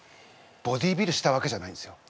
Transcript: ボディービルしたわけじゃないんですよ。